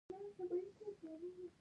بسم الله ویل څه ګټه لري؟